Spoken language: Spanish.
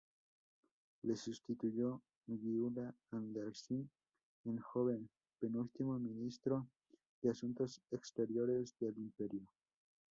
Le sustituyó Gyula Andrássy el joven, penúltimo ministro de Asuntos Exteriores del imperio.